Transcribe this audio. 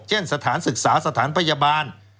สถานศึกษาสถานพยาบาล